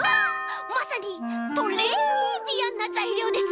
まさにトレービアンなざいりょうです！